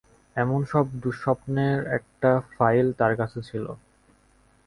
এমন সব দুঃস্বপ্নের একটা ফাইল তাঁর কাছে ছিল।